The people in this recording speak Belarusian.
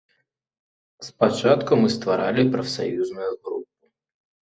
Спачатку мы стваралі прафсаюзную групу.